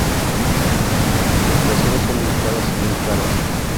Sus creaciones son limitadas y muy caras.